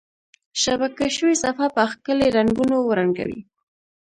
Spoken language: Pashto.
شبکه شوي صفحه په ښکلي رنګونو ورنګوئ.